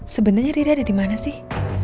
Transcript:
sebenernya riri ada dimana sih